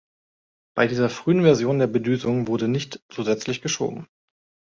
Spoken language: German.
Bei dieser frühen Version der Bedüsung wurde nicht zusätzlich geschoben.